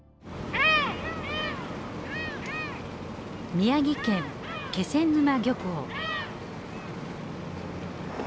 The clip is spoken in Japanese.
宮城県気仙沼漁港。